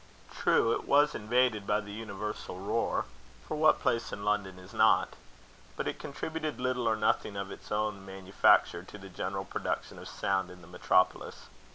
True, it was invaded by the universal roar for what place in London is not? but it contributed little or nothing of its own manufacture to the general production of sound in the metropolis.